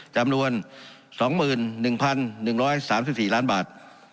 จำนวน๒๑๑๓๔ล้านบาท